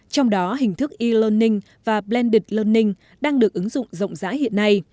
trong đó hình thức e learning và plandude learning đang được ứng dụng rộng rãi hiện nay